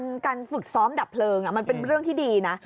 มันการฝึกซ้อมดับเพลิงมันเป็นเรื่องที่ดีนะ